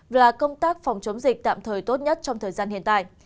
và công tác phòng chống dịch tạm thời tốt nhất trong thời gian hiện tại